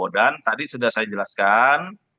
dan tadi sudah saya jelaskan